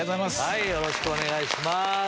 よろしくお願いします。